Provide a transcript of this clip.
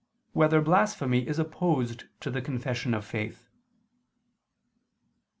1] Whether Blasphemy Is Opposed to the Confession of Faith?